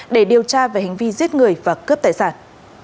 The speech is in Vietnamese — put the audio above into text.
để điều tra về hành vi giết người và cướp tài sản